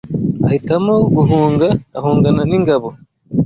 ahitamo guhunga, ahungana n’ingabo